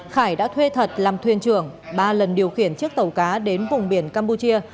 khải đã thuê thật làm thuyền trưởng ba lần điều khiển chiếc tàu cá đến vùng biển campuchia